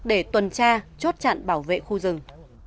để tuần tra chốt chặn bảo vệ khu rừng